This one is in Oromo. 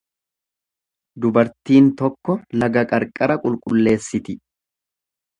Dubartiin tokko laga qarqara qulqulleessiti.